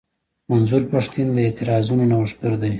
منظور پښتين د اعتراضونو نوښتګر دی.